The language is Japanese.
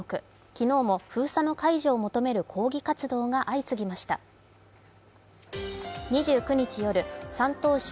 昨日も封鎖の解除求める抗議活動が相次ぎましたる２９日夜、山東省